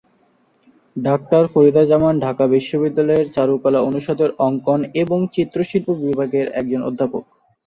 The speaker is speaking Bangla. ডাক্তার ফরিদা জামান ঢাকা বিশ্ববিদ্যালয়ের চারুকলা অনুষদের অঙ্কন এবং চিত্রশিল্প বিভাগের একজন অধ্যাপক।